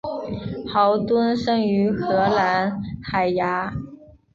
豪敦生于荷兰海牙。